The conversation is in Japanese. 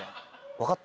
分かった？